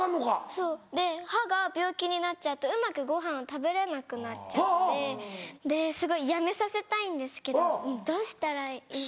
そうで歯が病気になっちゃうとうまくごはん食べれなくなっちゃうのですごいやめさせたいんですけどどうしたらいい？